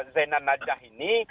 zainal nadjah ini